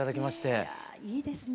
いやぁいいですね